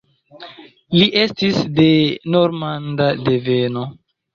Li estis de normanda deveno.